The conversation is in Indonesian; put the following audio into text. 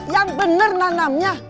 yang bener nanamnya